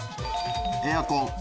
エアコン。